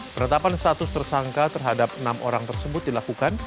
penetapan status tersangka terhadap enam orang tersebut dilakukan